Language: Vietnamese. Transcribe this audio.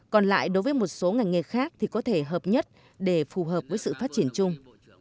còn lại đối với một số ngành nghề khác thì có thể hợp nhất để phù hợp với sự phát triển chung